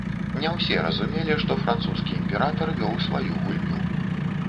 Не ўсе разумелі, што французскі імператар вёў сваю гульню.